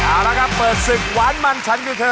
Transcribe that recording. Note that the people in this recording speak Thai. เอาละครับเปิดศึกหวานมันฉันคือเธอ